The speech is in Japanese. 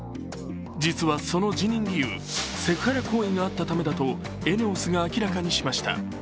実はその辞任理由セクハラ行為があったためだとＥＮＥＯＳが明らかにしました。